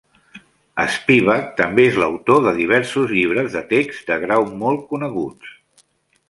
Spivak també és l'autor de diversos llibres de text de grau molt coneguts.